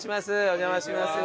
お邪魔します。